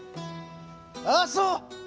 あっそう！